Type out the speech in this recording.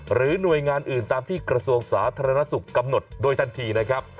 หรือหน่วยงานอื่นตามที่กระทรวงสาธารณสุขกำหนดโดยทันทีนะครับ